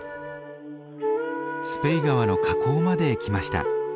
スペイ川の河口まで来ました。